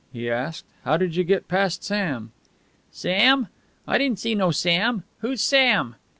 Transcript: he asked. "How did you get past Sam?" "Sam? I didn't see no Sam. Who's Sam?"